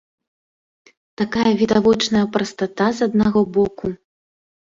Такая відавочная прастата з аднаго боку.